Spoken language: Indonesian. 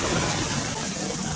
kota yang terkenal dengan